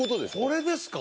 これですか？